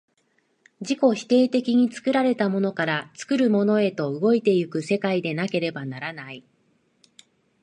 自己否定的に作られたものから作るものへと動いて行く世界でなければならない。